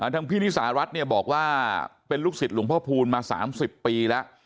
ทางพี่นิสารัฐเนี่ยบอกว่าเป็นลูกศิษย์หลวงพ่อพูนมา๓๐ปีแล้ว